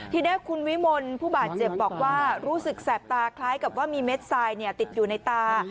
ทีนี้คุณวิมลผู้บาดเจ็บบอกว่ารู้สึกแสบตาคล้ายกับว่ามีเม็ดทรายติดอยู่ในตา